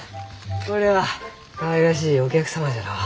これはかわいらしいお客様じゃのう。